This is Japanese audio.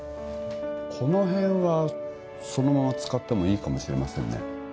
この辺はそのまま使ってもいいかもしれませんね